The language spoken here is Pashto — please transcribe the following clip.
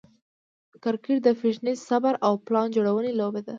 کرکټ د فټنس، صبر، او پلان جوړوني لوبه ده.